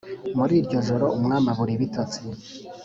Muriryojoro umwami abura ibitotsi